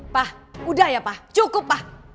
pak udah ya pak cukup pak